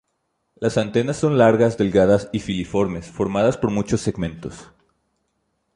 Las antenas son largas, delgadas y filiformes, formadas por muchos segmentos.